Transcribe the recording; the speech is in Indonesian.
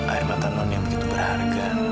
air mata non yang begitu berharga